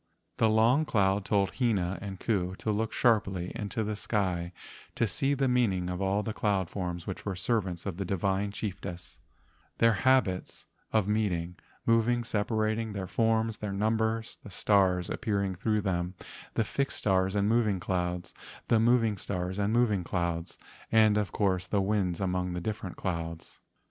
The Long Cloud told Hina and Ku to look sharply into the sky to see the meaning of all the cloud forms which were servants of the divine chiefess, their habits of meeting, moving, sepa¬ rating, their forms, their number, the stars ap¬ pearing through them, the fixed stars and moving clouds, the moving stars and moving clouds, the course of the winds among the different clouds.